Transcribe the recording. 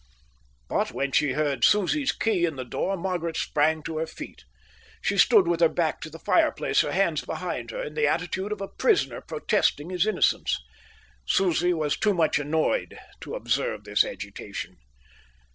But when she heard Susie's key in the door, Margaret sprang to her feet. She stood with her back to the fireplace, her hands behind her, in the attitude of a prisoner protesting his innocence. Susie was too much annoyed to observe this agitation.